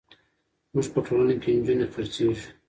زموږ په ټولنه کې نجونې خرڅېږي.